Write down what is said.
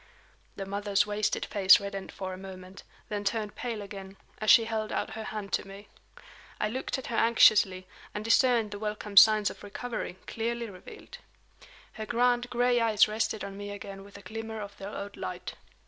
The mother's wasted face reddened for a moment, then turned pale again, as she held out her hand to me. I looked at her anxiously, and discerned the welcome signs of recovery, clearly revealed. Her grand gray eyes rested on me again with a glimmer of their old light.